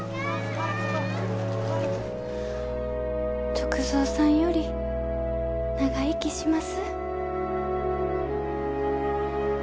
篤蔵さんより長生きします